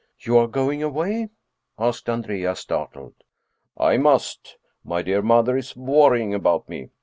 " You are going away ?" asked Andrea, startled. " I must. My dear mother is worrying about me.